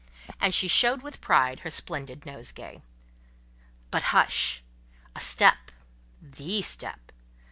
And she showed with pride her splendid nosegay. But hush! a step: the step.